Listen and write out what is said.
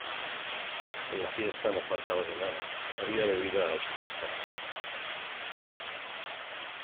En la fiesta no faltaba de nada, había bebida a espuertas